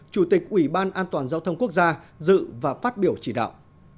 chủ tịch ủy ban an toàn giao thông quốc gia dự và phát biểu chỉ đạo